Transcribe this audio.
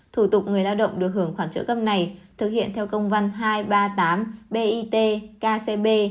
thủ tục người lao động được hưởng khoản trợ cấp này thực hiện theo công văn hai trăm ba mươi tám bit kcb